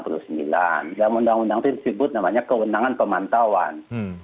dalam undang undang itu disebut namanya kewenangan pemantauan